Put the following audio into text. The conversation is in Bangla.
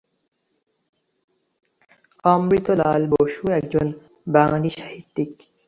অমৃতলাল বসু একজন বাঙালি সাহিত্যিক।